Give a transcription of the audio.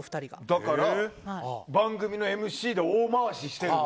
だから番組のＭＣで大回しして。